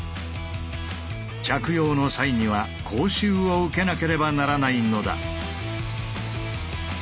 着用の際には講習を受けなければならないのだ。